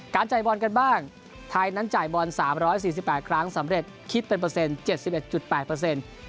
จ่ายบอลกันบ้างไทยนั้นจ่ายบอล๓๔๘ครั้งสำเร็จคิดเป็นเปอร์เซ็นต์๗๑๘เปอร์เซ็นต์